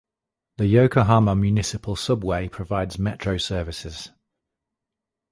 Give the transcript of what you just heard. The Yokohama Municipal Subway provides metro services.